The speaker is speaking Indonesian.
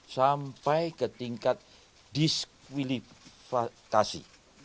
sampai ke tingkat diskualifikasi